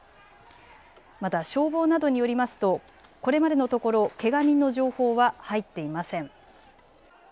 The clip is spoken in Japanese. また消防などによりますとこれまでのところけが人の情報は入っていません。